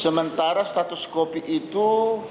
sementara status kopi itu